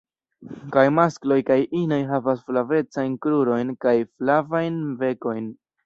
Kaj maskloj kaj inoj havas flavecajn krurojn kaj flavajn bekojn.